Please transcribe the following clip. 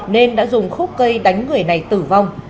nên đã dùng khúc cây đánh người này tử vong